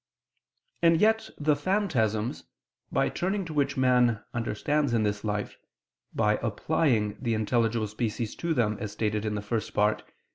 And yet the phantasms, by turning to which man understands in this life, by applying the intelligible species to them as stated in the First Part (Q.